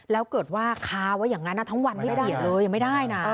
แล้วเกิดว่าค้าไว้อย่างนั้นทั้งวันไม่ละเอียดเลยยังไม่ได้นะ